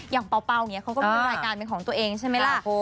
เป่าอย่างนี้เขาก็มีรายการเป็นของตัวเองใช่ไหมล่ะ